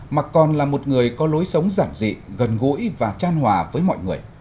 mà còn là một người có lối sống giản dị gần gũi và tran hòa với mọi người